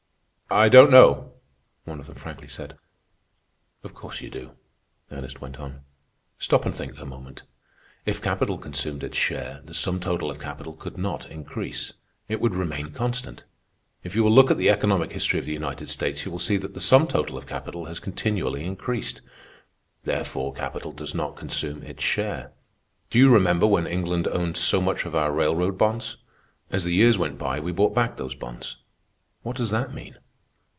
"I don't know," one of them frankly said. "Of course you do," Ernest went on. "Stop and think a moment. If capital consumed its share, the sum total of capital could not increase. It would remain constant. If you will look at the economic history of the United States, you will see that the sum total of capital has continually increased. Therefore capital does not consume its share. Do you remember when England owned so much of our railroad bonds? As the years went by, we bought back those bonds. What does that mean?